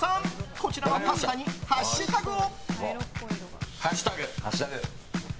こちらのパスタにハッシュタグを。